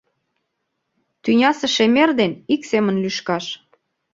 Тӱнясе шемер ден ик семын лӱшкаш